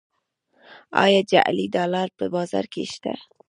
آیا جعلي ډالر په بازار کې شته؟